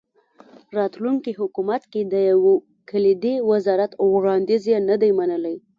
راتلونکي حکومت کې د یو کلیدي وزارت وړاندیز یې نه دی منلی.